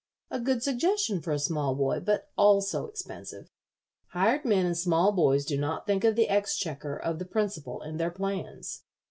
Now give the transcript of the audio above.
A good suggestion for a small boy, but also expensive. Hired men and small boys do not think of the exchequer of the principal in their plans.